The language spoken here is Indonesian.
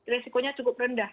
risikonya cukup rendah